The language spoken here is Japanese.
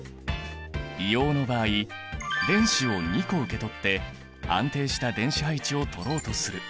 硫黄の場合電子を２個受け取って安定した電子配置をとろうとする。